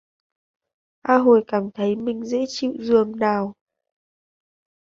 A hồi cảm thấy mình dễ chịu dường nào